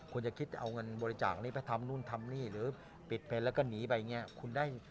คุณจะคิดเอาเงินบริจาคนี้ไปทำนู่นทำนี่หรือปิดเป็นแล้วก็หนีไปอย่างนี้คุณได้